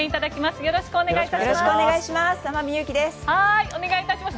よろしくお願いします。